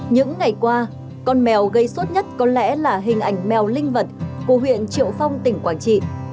những ngày qua con mèo gây suốt nhất có lẽ là hình ảnh mèo linh vật của huyện triệu phong tỉnh quảng trị